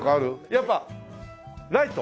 やっぱライト？